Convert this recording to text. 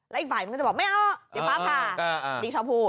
แล้วอีกฝ่ายมันก็จะบอกไม่เอาเดี๋ยวพาพ่า